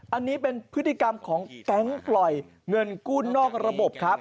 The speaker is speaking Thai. อันนี้เป็นพฤติกรรมของแก๊งปล่อยเงินกู้นอกระบบครับ